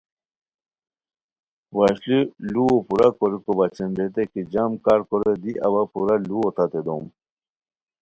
وشلی لوؤ پورا کوریکو بچین ریتائے کی جم کار کورے دی اوا پورا ُلوؤ تتے دوم